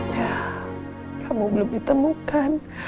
ya kamu belum ditemukan